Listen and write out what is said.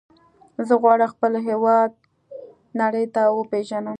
زه غواړم خپل هېواد نړۍ ته وپیژنم.